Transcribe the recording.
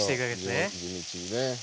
そう地道にね。